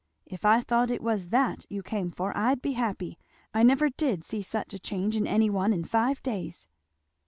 If I thought it was that you came for I'd be happy. I never did see such a change in any one in five days!